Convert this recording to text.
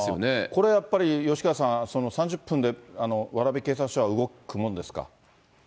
これやっぱり、吉川さん、３０分で蕨警察署は動くもんですか。